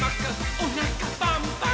おなかパンパン」